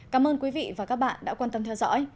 cảm ơn quý vị và các bạn đã quan tâm theo dõi